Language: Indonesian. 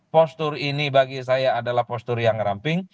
postur ini bagi saya adalah postur yang ramping